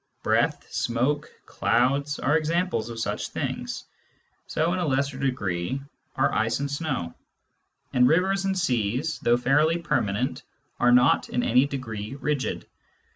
Breath, smoke, clouds, are examples of such things — so, in a lesser degree, are ice and snow ; and rivers and seas, though fairly permanent, are not in any degree rigid.